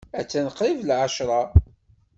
Attan qrib d lɛecṛa.